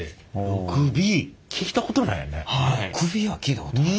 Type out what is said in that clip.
６Ｂは聞いたことないな。